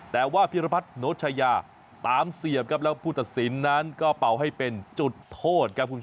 แต่ว่าพิรุพัฒนโชยาตามเสียบแล้วผู้ตัดสินนั้นก็เป่าให้เป็นจุดโทษ